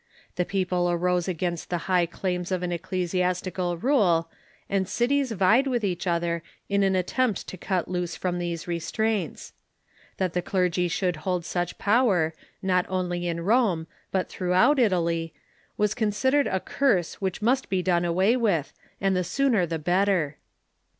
The people arose against the high claims of an ecclesiastical rule, and cities vied witli each other in an attempt to cut loose from these restraints. That the clergy should hold such power, not only in Rome, but throughout Italy, was considered a curse which must be done away with, and the sooner the better.